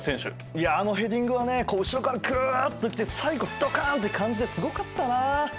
いやあのヘディングはねこう後ろからグッと来て最後ドカンって感じですごかったなあ。